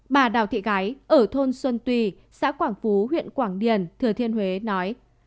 bà đào thị gái ở thôn xuân tùy xã quảng phú huyện quảng điền thừa thiên huế nói